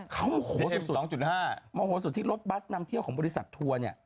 เขามองโหสุดที่รถบัสนำเที่ยวของบริษัททัวร์